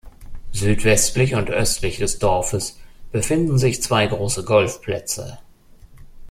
Südwestlich und östlich des Dorfes befinden sich zwei große Golfplätze.